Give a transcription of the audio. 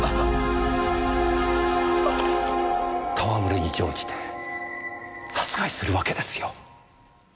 戯れに乗じて殺害するわけですよ。